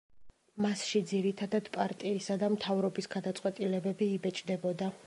მასში, ძირითადად, პარტიისა და მთავრობის გადაწყვეტილებები იბეჭდებოდა.